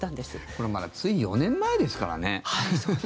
これ、まだつい４年前ですからね。